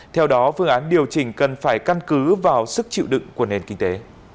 theo đó phương án điều chỉnh cần phải căn cứ vào sức chịu đựng của nền kinh tế